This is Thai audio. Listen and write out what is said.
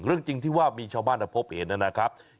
เรื่องจริงที่ว่ามีชาวบ้านพบเห็นนะครับ